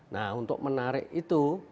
nah untuk menarik itu